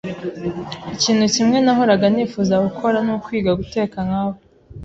Ikintu kimwe nahoraga nifuza gukora nukwiga guteka nkawe.